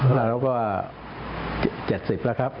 ตลาดแล้วก็๗๐แล้วครับ